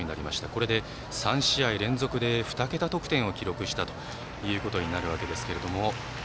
これで３試合連続で２桁得点を記録したということになるわけですけれども。